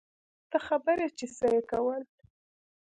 ته خبر يې چې څه يې کول.